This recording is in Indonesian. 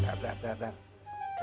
dah dah dah dah dah